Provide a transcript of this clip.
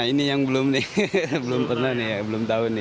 ini yang belum nih belum pernah nih ya belum tahu nih